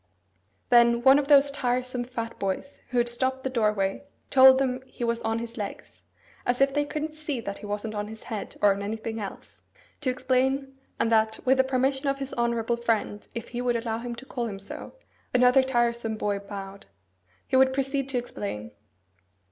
Then one of those tiresome fat boys who had stopped the doorway told them he was on his legs (as if they couldn't see that he wasn't on his head, or on his anything else) to explain, and that, with the permission of his honourable friend, if he would allow him to call him so (another tiresome boy bowed), he would proceed to explain.